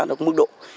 nó có mức độ